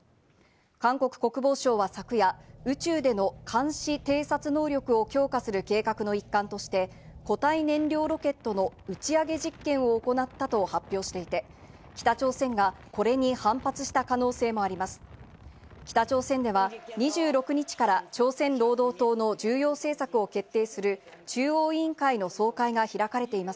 韓国国防省は昨夜、宇宙での監視偵察能力を強化する計画の一環として、固体燃料ロケットの打ち上げ実験を行ったと発表していて、北朝鮮がこれに反発した可能性もあります。